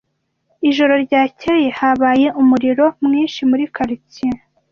Ijoro ryakeye habaye umuriro mwinshi muri quartier.